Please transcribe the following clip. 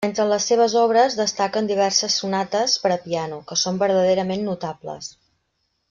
Entre les seves obres, destaquen diverses sonates per a piano, que són verdaderament notables.